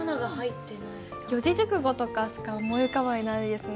四字熟語とかしか思い浮かばないですね。